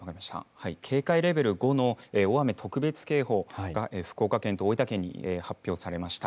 警戒レベル５の大雨特別警報が福岡県と大分県に発表されました。